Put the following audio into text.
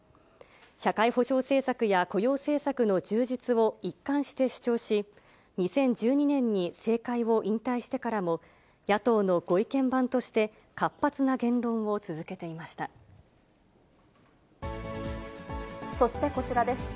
社会保障政策や雇用政策の充実を一貫して主張し、２０１２年に政界を引退してからも、野党のご意見番として、活発な言論を続けてそしてこちらです。